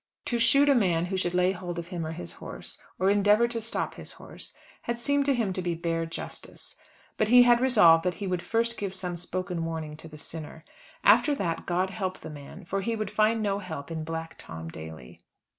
To shoot a man who should lay hold of him or his horse, or endeavour to stop his horse, had seemed to him to be bare justice. But he had resolved that he would first give some spoken warning to the sinner. After that, God help the man; for he would find no help in Black Tom Daly.